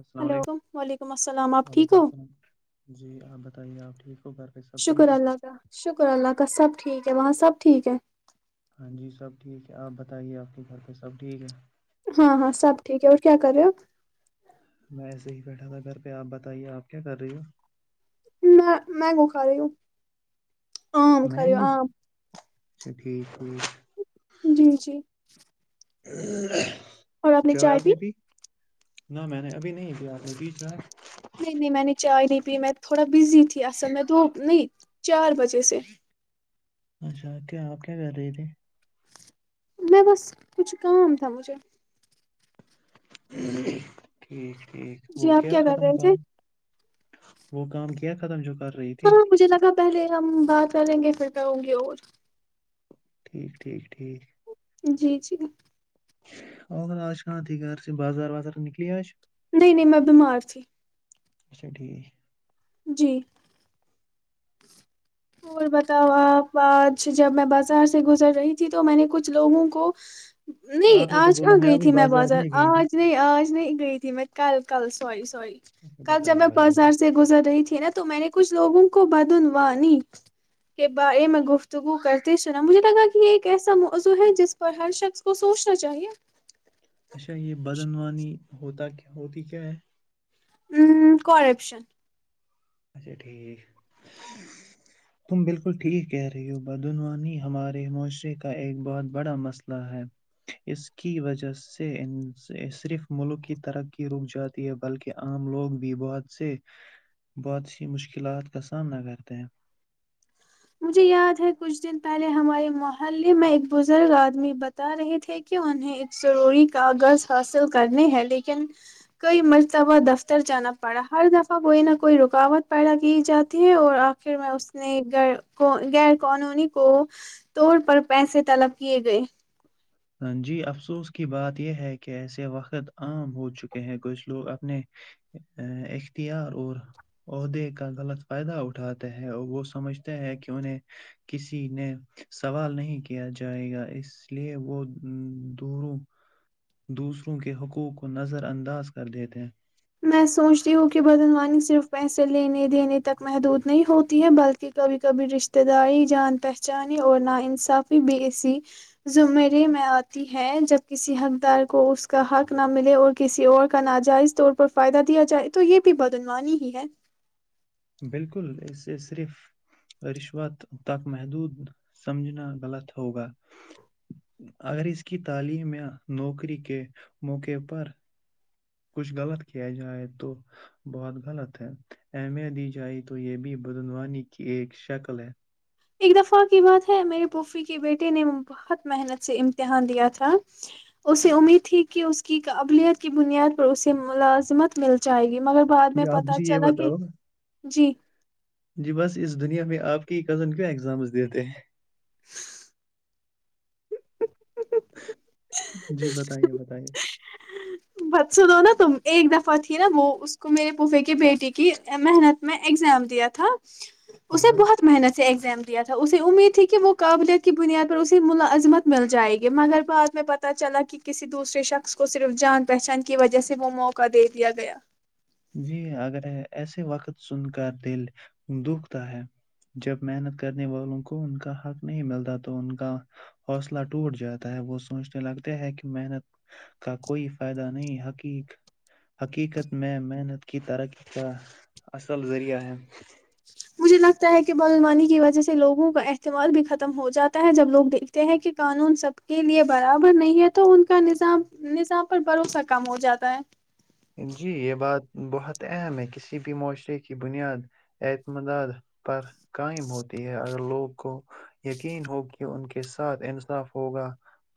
السلام ہلو علیکم وعلیکم السلام آپ ٹھیک وعلیکم ہو السلام جی آپ بتائیے آپ ٹھیک ہو گھر پہ سب شکر ٹھیک ہے اللہ کا شکر اللہ کا سب ٹھیک ہے وہاں سے سب ٹھیک ہے ہاں جی سب ٹھیک ہے آپ بتائیے آپ کے گھر پہ سب ٹھیک ہے ہاں ہاں سب ٹھیک ہے اور کیا کر رہے ہوپ میں ایسے ہی بیٹھا تھا گھر پہ آپ بتائیے آپ کیا کر رہی ہو میں مگو کھا رہی ہوں عام خریو مینگو عام اچھا ٹھیک ٹھیک جی جی ہ اور آپ نے چائے بھی نہ میں نے ابھی نہیں کیایا ہے ا بیچا نہیں نہیں میں نے چائے نہیں پی میں تھوڑا بزی تھی اصل میں د نہیں چار بجے سے اچھا کیا آپ کیا کر رہے تھے میں بس کچھ کا تھا مجھے ج ٹھیک ٹھ جی وہ آپ کیا کر ختم رہے تھے کام وہ کام کیا ختم چکا ہاں مجھے لگا پہلے ہم بات کریں گے پھر رہوں گی اور ٹھیک ٹھیک ٹھیک جی جی اگر آج کہاں تھی گھر سے بازار وازار نکلی آج نہیں نہیں میں بیمار ت اھا ٹھیک جی اور بتاؤ آپ آج جب میں بازار سے گزر رہی تھی تو میں نے کچھ لوگوں کو نہیں آپ نے تو آج بولا کہاں گئی ابھی تھی میں بازار نہیں گئی تھی آج نہیں آج نہیں گئی تھی میں کل کل سوائ سوری اچھا کل جب بتائیے میں بتائیے بازار سے گزر رہی تھی نا تو میں نے کچ لوگوں کو بدعنوانی کے بارے میں گفتگو کرتے سنا مجھے لگا کہ یہ ایک ایسا موضوع ہے جس پر ہر شخص کو سوچنا چاہیے اچھا یہ بدعنوانی ہوتا ہوتی کیا ہے ہ کرپشن اچھا ٹھیک تم بالکل ٹھیک کہہ رہی ہو بدعنوانی ہمارے معاشرے کا ایک بہت بڑا مسئلہ ہے اس کی وجہ سے صرف ملک کی ترقی رک جاتی ہے بلکہ عام لوگ بھی بہت سے بہت سی مشکلات کا سامنا کرتے ہیں مجھے یاد ہے کچھ دن پہلے ہمارے محلے میں ایک بزرگ آدمی بتا رہے تھے کہ انہیں ایک ضروری کاغذ حاصل کرنے ہے لیکن کئی مرتبہ دفتر جانا پڑا ہر دفعہ کوئی نہ کوئی رکاوٹ پیدا کی جاتی ہے اور آخر میں اس نے گ کو غیر قانونی کو طور پر پیسے طلب کیے گئے ہ جی افسوس کی بات یہ ہے کہ ایسے وقت عام ہو چکے ہیں کچھ لوگ اپنے اختیار اور عہدے کا غلط فائدہ اٹھاتے ہیں اور وہ سمجھتے ہیں کہ انہیں کسی نے سوال نہیں کیا جائے گا اس لیے وہ دوروں دوسروں کے حقوق کو نظر انداز کر دیتے ہیں میں سوچتی ہوں کہ بدنوانی صرف پیسے لینے دینے تک محدود نہیں ہوتی ہے بلکہ کبھی کبھی رشتہ داری جان پہچانے اور ناانصافی بھی ایسی زمرے میں آتی ہے جب کسی حقدار کو اس کا حق نہ ملے اور کسی اور کا ناجائز طور فائدہ دیا جائے تو یہ بھی بدنوانی ہی ہے بالکل اسے صرف رشوت تک محدود سمجھنا غلط ہوگا اگر اس کی تعلیم یا نوکری کے موقع پر کچھ غلط کیا جائے تو بہت غلط ہے اہمیت دی جائے تو یہ بھی بدعنوانی کی ایک شکل ہے ایک دفعہ کی بات ہے میرے پوفی کے بیٹے نے بہت محنت سے امتحان دیا تھا اسے امید تھی کہ اس کی قابلیت کی بنیاد پر اسے ملازمت مل جائے گی مگر بعد میں جی آپ پت مجھے یہ چلا کہ بتاؤ جی جی بس اس دنیا میں آپ کی کزن کیا ایگزامس دیتے ہیں [unintelligible] جی بتائیے بتائیے بچسوں دو نا تم ایک دفعہ تھی نا وہ اس کو میرے پوفھے کی بیٹی کی محنت میں ایگزام دیا تھا اسے ہاں بہت محنت سے ایک دیا تھا اسے امید تھی کہ وہ قابلیت کی بنیاد پر اسے ملازمت مل جائے گی مگر بعد میں پہ چلا کہ کسی دوسرے شخص کو صرف جان پہچان کی وجہ سے وہ موقع دے دیا گیا جی اگر ایسے وقت سن کر دل دکھتا ہے جب محنت کرنے والوں کو ان کا حق نہیں ملتا تو ان کا حوصلہ ٹوٹ جاتا ہے وہ سوچنے لگتے ہے کہ محنت کا کوئی فائدہ نہیں حقیق حقیقت میں محنت کی ترقی کا اصل ذریعہ ہے مجھے لگتا ہے کہ بلنوانی کی وجہ سے لوگوں کا اعتماد بھی ختم ہو جاتا ہے جب لوگ دیکھتے ہیں کہ قانون سب کے لیے برابر نہیں ہے تو ان کا نظام نظام پر بھروسہ کم ہو جاتا ہے جی یہ بات بہت اہم ہے کسی بھی معاشرے کی بنیاد اعتمداد پر قائم ہوتی ہے اگر لوگ [unintelligible] کو یقین ہو کہ ان کے ساتھ انصاف ہوگا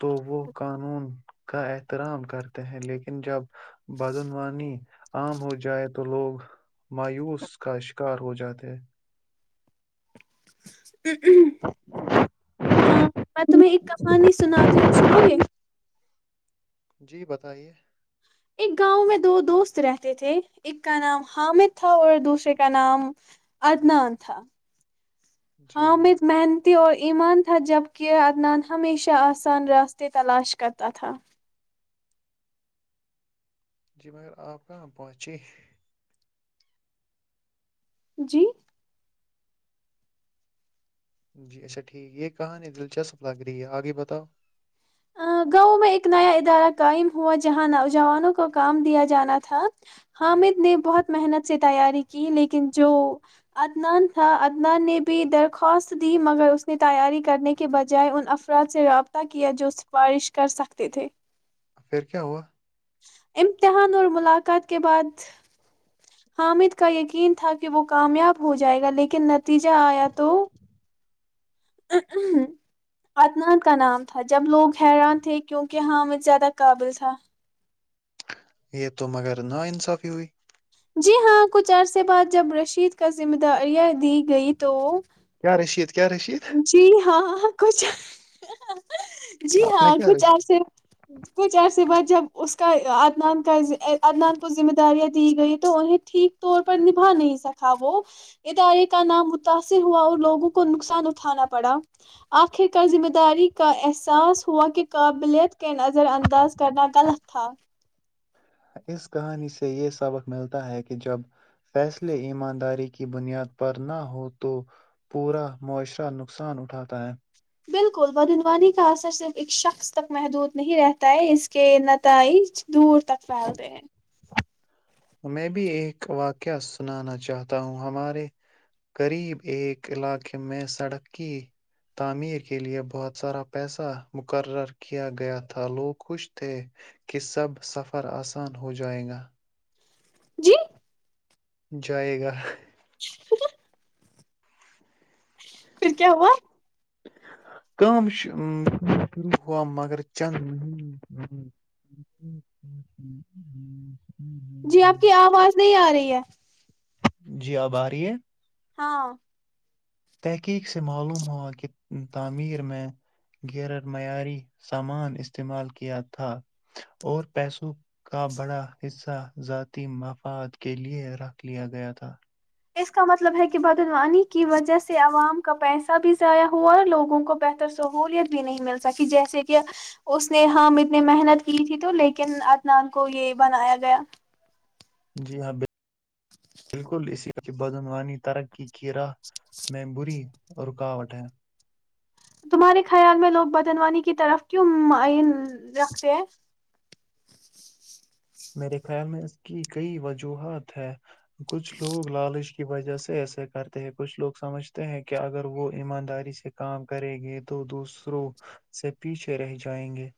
تو وہ قانون [unintelligible] کا احترام کرتے ہیں لیکن جب بدعنوانی عام ہو جائے تو لوگ مایوس کا شکار ہو جاتے ہیں ہ ہ میں تمہیں ایک کہانی سناتی ہوں سنو گے [unintelligible] جی بتائیے [unintelligible] ایک گاؤں میں دو دوست رہتے تھے ایک کا نام حامد تھا اور دوسرے کا نام عدنان تھا جی ہاں ا جی میں محن [unintelligible] اور ایمان تھا جبکہ عدنان ہمیشہ آسان راستے تلاش کرتا تھا جی مگر آپ کہاں پہنچے [unintelligible] جی جی اچھا ٹھیک یہ کہانی دلچسپ لگ رہی ہے آگے بتاؤ گاؤ میں ایک نیا ادارہ قائم ہوا جہاں نوجوانوں کو کام دیا جانا تھا حامد نے بہت محنت سے تیاری کی لیکن جو عدنان تھا عدنان نے بھی درخواست دی مگر اس نے تیاری کرنے کے بجائے ان افراد سے رابطہ کیا جو بارش کر سکتے تھے [unintelligible] پھر کیا ہوا امتحان اور ملاقات کے بعد حامد کا یقین تھا کہ وہ کامیاب ہو جائے گا لیکن نتیجہ آیا تو اتنان کا نام تھا جب لوگ حیران تھے کیونکہ حامد زیادہ قابل تھا یہ تو مگر نا انصافی ہوئی جی ہاں کچھ عرصے بعد جب رشید کا ذمہ داریاں دی گئی تو کیا رشیے ت جی ہاں کچھ جی آپ نے ہاں کیا کچھ رشید ایسے کچھ ایسے با جب اس کا ادنان کا ادنان کو ذمہ داریاں دی گئی تو انہیں ٹھیک طور پر نبھا نہیں سکا وہ ادارے کا نام متاثر ہوا اور لوگوں کو نقصان اٹھانا پڑا آخرکار ذمہ داری کا احساس ہوا کہ قابلیت کے نظر انداز کرنا غلط تھا اس کہانی سے یہ سبق ملتا ہے کہ جب فیصلے ایمانداری کی بنیاد پر نہ ہو تو پورا معاشرہ نقصان اٹھاتا ہے بالکل بدعنوانی کا اثر صرف ایک شخص تک محدود نہیں رہتا ہے اس کے نتائج دور تک پھیلتے ہیں میں بھی ایک واقعہ سنانا چاہتا ہوں ہمارے قریب ایک علاقے میں سڑک کی تعمیر کے لیئے بہت سارا پیسہ مقرر کیا گیا تھا لوگ خوش تھے کہ سب سفر آسان ہو جائے گا جی جائے گا [inaudible] پھر کیا ہوا کا شروع ہوا مگر چند جی آپ کی آواز نہیں آ رہی ہے جی آب آ رہی ہے ہاں تحقیق سے معلوم ہوا کہ تعمیر میں گیرر معیاری سامان استعمال کیا تھا اور پیسوں کا بڑا حصہ ذاتی مفاد کے لیئے رکھ لیا گیا تھا اس کا مطلب ہے کہ بدعنوانی کی وجہ سے عوام کا پیسہ بھی ضائع ہوا اور لوگوں کو بہتر سہولیت بھی نہیں مل سکی جیسے کہ اس نے ہم اتنی محنت کی تھی تو لیکن عدنان کو یہ بنایا گیا جی ہاں بالکل اسی بدعنوانی ترقی کیرا ممبی رکاوٹ ہے تمہارے خیال میں لوگ بدن وانی کی طرف کیوں معین رکھتے ہیں میرے خیال میں اس کی کئی وجوہات ہے کچھ لوگ لالس کی وجہ سے ایسا کرتے ہیں کچھ لوگ سمجھتے ہیں کہ اگر وہ ایمانداری سے کام کریں گے تو دوسروں سے پیچھے رہ جائیں گے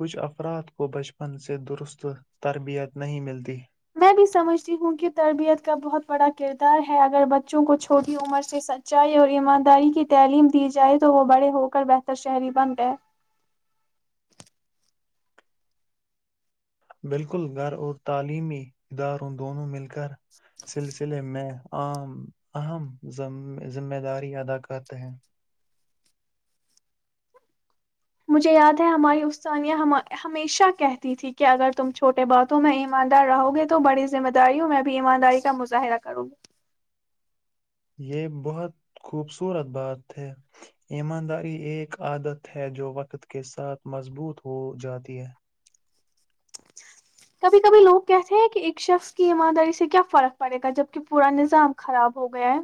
کچھ افراد کو بچپن سے درست تربیت نہیں ملتی میں بھی سمجھتی ہوں کہ تربیت کا بہت بڑا کردار ہے اگر بچوں کو چھوٹی عمر سے سچائی اور ایمانداری کی تعلیم دی جائے تو وہ بڑے ہوک بہتر شہری بن گئے بالکل گھر اور تعلیمی اداروں دونوں مل کے سلسلے میں عام اہم ذمہ داری ادا کرتے ہیں مجھے یاد ہے ہماری اسانیہ ہمیشہ کہتی تھی کہ اگر تم چھوٹے باتوں میں ایماندار رہو گے تو بڑی ذمہ داریوں میں بھی ایمانداری کا مظاہرہ کرو گے یہ بہت خوبصورت بات ہے ایمانداری ایک عادت ہے جو وقت کے ساتھ مضبوط ہو جاتی ہے کبھی کبھی لوگ کہتے ہیں کہ ایک شخص کی ایمانداری سے کیا فرق پڑے گا جبک پورا نظام خراب ہو گیا ہے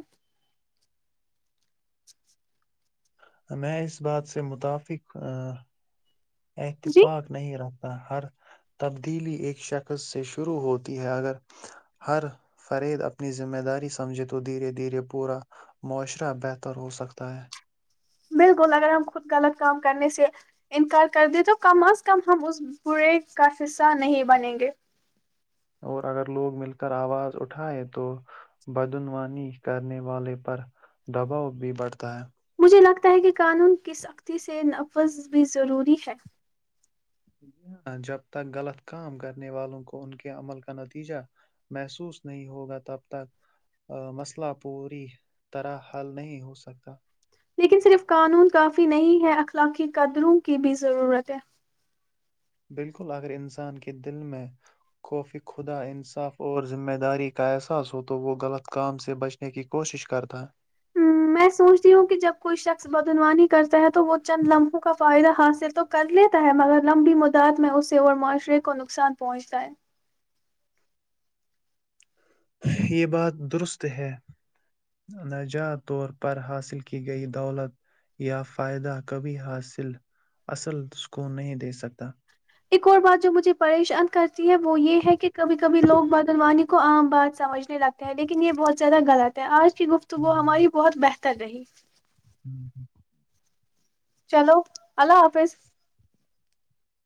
میں اس بات سے متفق جی احتفاق نہیںیرت ہر تبدیلی ایک شخص سے شروع ہوتی ہے اگر ہر فرید اپنی ذمہ داری سمجھے تو دھیرے دھیرے پورا معاشرہ بہتر ہو سکتا ہے بالکل اگر ہم خود غلط کام کرنے سے انکار کر دیں تو کم از کم ہم اس برے کا حصہ نہیں بنیں گے اور اگر لوگ مل کر آواز اٹھائے تو بدعنوانی کرنے والے پر دباؤ بھی بڑھتا ہے مجھے لگتا ہے کہ قانون کی سختی سے نفذ بھی ضروری ہے جب تک غلط کام کرنے والوں کو ان کے عمل کا نتیجہ محسوس نہیں ہوگا تب تک مسئلہ پوری طرح حل نہیں ہو سکتا لیکن صرف قانون کافی نہیں ہے اخلاقی قدروں کی بھی ضرورت ہے بالکل اگر انسان کے دل میں قفی خدا انصاف اور ذمہ داری کا احساس ہو تو وہ غلط کام سے بچنے کی کوشش کرتا ہ میں سوچتی ہوں کہ جب کوئی شخص بدعنوانی کرتا ہے تو وہ چند لمحوں کا فائدہ حاصل تو کر لیتا ہے مگر لمبی مدع میں اسے اور معاشرے کو نقصان پہنچتا ہے یہ بات درست ہے نجات طور پر حاصل کی گئی دولت یا فائدہ کبھی حاصل اصل سکون نہیں دے سکتا ایک اور بات جو مجھے پریشان کر ہے وہ یہ ہے کہ کبھی کبھی لو بادل وانی کو کو عام بات سمجھنے لگتے ہیں لیکن یہ بہت زیادہ غلط ہے آج گفتگو ہماری بہت بہت ت رہ ہی چلو اللہ حافظ